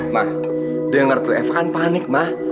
ma denger tuh eva kan panik ma